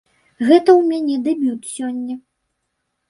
Гэта ў мяне дэбют сёння.